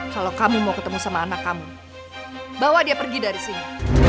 kalau kamu mau ketemu sama anak kamu bawa dia pergi dari sini